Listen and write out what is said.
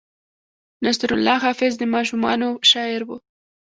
نصرالله حافظ د ماشومانو شاعر و.